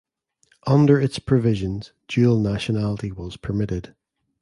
Under its provisions dual nationality was permitted.